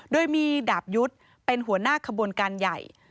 โดยมีดาบยุทธ์เป็นหัวหน้าขบวนการใหญ่